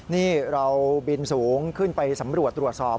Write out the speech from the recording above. นี่เราบินสูงขึ้นไปสำรวจตรวจสอบ